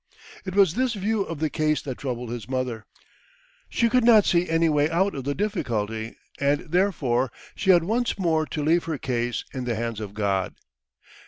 It was this view of the case that troubled his mother. She could not see any way out of the difficulty, and therefore she had once more to leave her case in the hands of God.